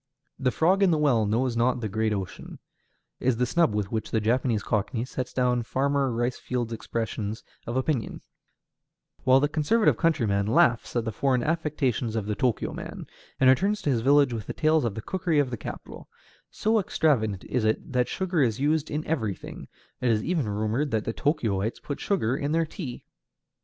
"The frog in the well knows not the great ocean," is the snub with which the Japanese cockney sets down Farmer Rice Field's expressions of opinion; while the conservative countryman laughs at the foreign affectations of the Tōkyō man, and returns to his village with tales of the cookery of the capital: so extravagant is it that sugar is used in everything; it is even rumored that the Tōkyōites put sugar in their tea.